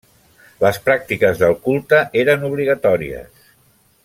Les pràctiques del culte eren obligatòries.